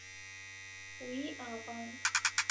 Wî avand.